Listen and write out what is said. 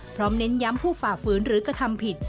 เน้นย้ำผู้ฝ่าฝืนหรือกระทำผิด